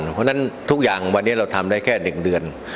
เพราะงั้นทุกอย่างที่เราวันนี้ทำได้แค่๑เดือน